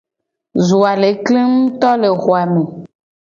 Zo a le kle nguto le xo a me.